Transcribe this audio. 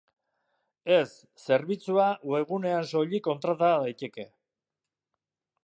Ez, zerbitzua webgunean soilik kontrata daiteke.